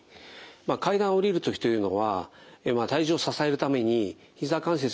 階段を下りる時というのは体重を支えるためにひざ関節に大きな力がかかります。